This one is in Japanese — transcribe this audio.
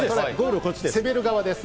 攻める側です。